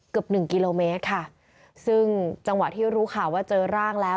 เกือบหนึ่งกิโลเมตรค่ะซึ่งจังหวะที่รู้ข่าวว่าเจอร่างแล้ว